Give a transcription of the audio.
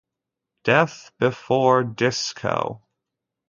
Death before disco.